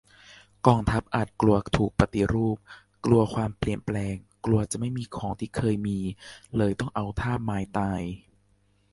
กองทัพอาจจะกลัวถูกปฏิรูป กลัวความเปลี่ยนแปลง กลัวจะไม่มีของที่เคยมี เลยต้องเอาท่าไม้ตาย